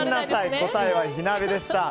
答えは火鍋でした。